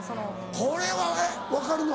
これはえっ分かるの？